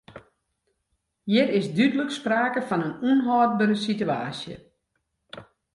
Hjir is dúdlik sprake fan in ûnhâldbere sitewaasje.